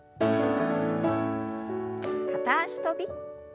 片脚跳び。